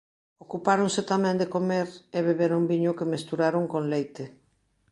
Ocupáronse tamén de comer e beberon viño que mesturaron con leite.